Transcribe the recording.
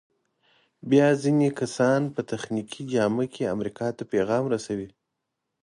بیا ځینې کسان په تخنیکي جامه کې امریکا ته پیغام رسوي.